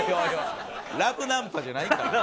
「ラブ！！ナンパ」じゃないから。